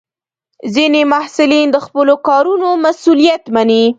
ځینې محصلین د خپلو کارونو مسؤلیت مني.